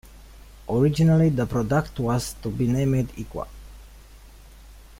Originally, the product was to be named Equa.